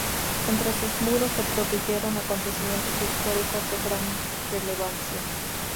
Entre sus muros se produjeron acontecimientos históricos de gran relevancia.